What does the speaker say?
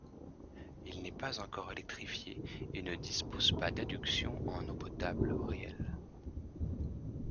Il n'est pas encore électrifié et ne dispose pas d'adduction en eau potable réelle.